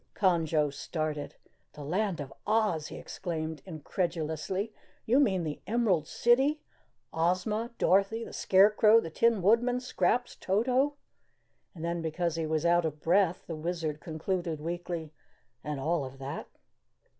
Conjo started. "The Land of Oz!" he exclaimed incredulously. "You mean the Emerald City Ozma Dorothy the Scarecrow the Tin Woodman Scraps Toto " and then because he was out of breath the Wizard concluded weakly "and all of that?"